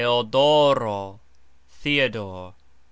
TeodOro :Theodore.